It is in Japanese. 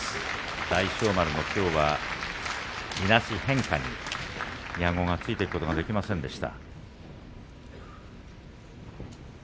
大翔丸の、きょうはいなし変化に矢後がついていくことができませんでした。